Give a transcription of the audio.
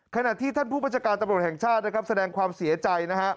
ขณะที่ท่านผู้ปัจจักรตำรวจแห่งชาติแสดงความเสียใจ